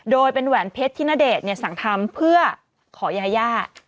โดยเป็นแหวนเพชรที่ณเดชน์สั่งทำเพื่อขอยาย่า